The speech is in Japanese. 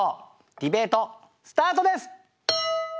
ディベートスタートです。